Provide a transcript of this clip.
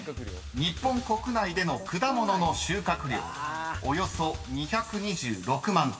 日本国内での果物の収穫量およそ２２６万ｔ］